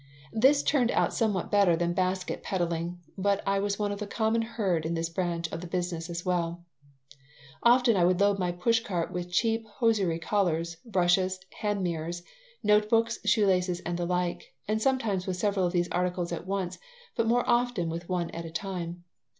This turned out somewhat better than basket peddling; but I was one of the common herd in this branch of the business as well Often I would load my push cart with cheap hosiery collars, brushes, hand mirrors, note books, shoe laces, and the like, sometimes with several of these articles at once, but more often with one at a time.